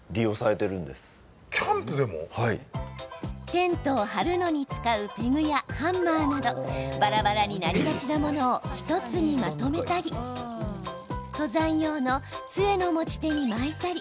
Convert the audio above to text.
テントを張るのに使うペグやハンマーなどばらばらになりがちなものを１つにまとめたり登山用のつえの持ち手に巻いたり。